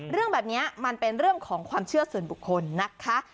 เรื่องแบบนี้มันเป็นเรื่องของความเชื่อส่วนบุคคลนะคะ